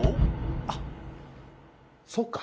あっそうか